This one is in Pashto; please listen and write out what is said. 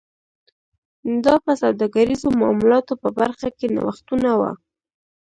دا په سوداګریزو معاملاتو په برخه کې نوښتونه و